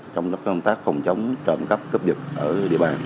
trong các công tác phòng chống trộm cấp cấp dựng ở địa bàn